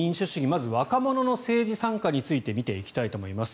まず若者の政治参加について見ていきたいと思います。